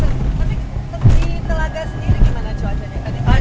tapi seperti telaga sendiri gimana cuacanya